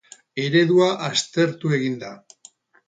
Eredua aztertu egin da.